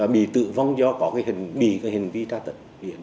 bị tự vong do có cái hình bị cái hình vi tra tấn